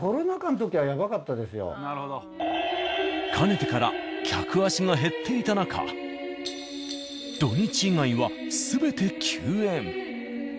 やっぱかねてから客足が減っていた中土日以外は全て休園。